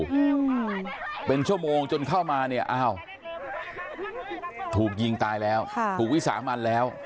อืมเป็นชั่วโมงจนเข้ามาเนี่ยอ้าวถูกยิงตายแล้วค่ะถูกวิสามันแล้ว